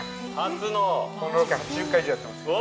◆このロケ８０回以上やっていますけど。